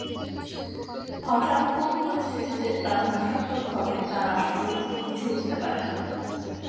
হঠাৎ কোন পরিস্থিতিতে তা ধ্বংসাত্মক হবে তা রাষ্ট্র বুঝে উঠতে পারেনা!